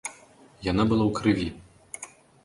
Яна была ў крыві.